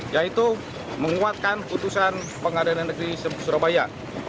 yaitu menguatkan putusan pengadilan negeri surabaya